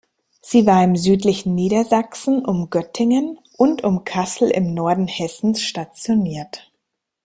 Sie war im südlichen Niedersachsen um Göttingen und um Kassel im Norden Hessens stationiert.